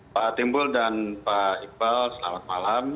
pak timbul dan pak iqbal selamat malam